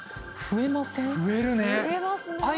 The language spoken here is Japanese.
増えますね。